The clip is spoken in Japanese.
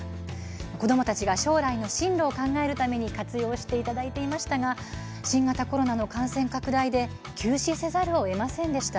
子どもたちが将来の進路を考えるために活用していただいていましたが新型コロナの感染拡大で休止せざるをえませんでした。